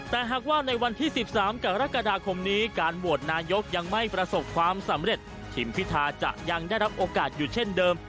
แต่หากว่าในวันที่๑๓กรกฎาคมนี้การโหวตนายกยังไม่ประสบความสำเร็จทีมพิทาจะยังได้รับโอกาสอยู่เช่นเดิม